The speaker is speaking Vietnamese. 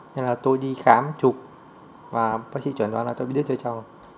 nên là tôi đi khám trục và bác sĩ chuẩn đoán là tôi bị đứa chơi chồng